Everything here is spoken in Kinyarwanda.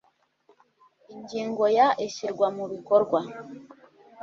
ingingo ya ishyirwa mu bikorwa